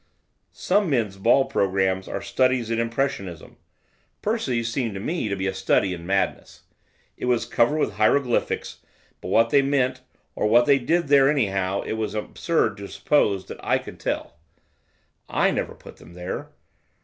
Some men's ball programmes are studies in impressionism, Percy's seemed to me to be a study in madness. It was covered with hieroglyphics, but what they meant, or what they did there anyhow, it was absurd to suppose that I could tell, I never put them there!